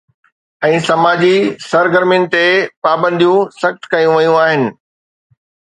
۽ سماجي سرگرمين تي پابنديون سخت ڪيون ويون آهن.